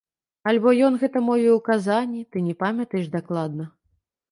Альбо ён гэта мовіў у казані, ты не памятаеш дакладна.